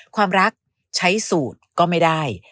ความรักใช้สูตรก็ไม่ได้